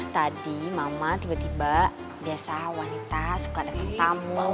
tadi mama tiba tiba biasa wanita suka datang tamu